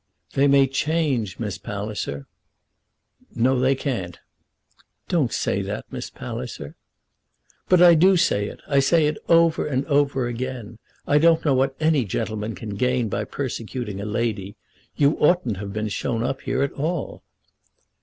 "They may change, Miss Palliser." "No, they can't." "Don't say that, Miss Palliser." "But I do say it. I say it over and over again. I don't know what any gentleman can gain by persecuting a lady. You oughtn't to have been shown up here at all."